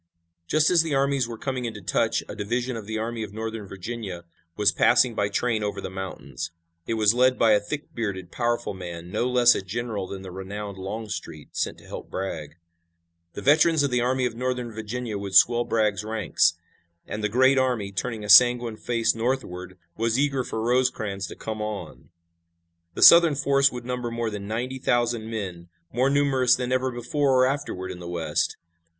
Just as the armies were coming into touch a division of the Army of Northern Virginia was passing by train over the mountains. It was led by a thick bearded, powerful man, no less a general than the renowned Longstreet, sent to help Bragg. The veterans of the Army of Northern Virginia would swell Bragg's ranks, and the great army, turning a sanguine face northward, was eager for Rosecrans to come on. The Southern force would number more than ninety thousand men, more numerous than ever before or afterward in the West.